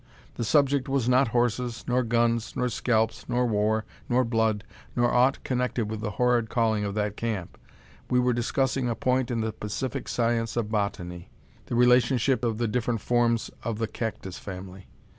The subject was not horses, nor guns, nor scalps, nor war, nor blood, nor aught connected with the horrid calling of that camp. We were discussing a point in the pacific science of botany: the relationship of the different forms of the cactus family.